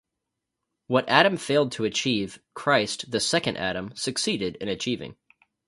What Adam failed to achieve, Christ, the second Adam, succeeded in achieving.